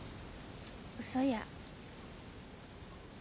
うそや。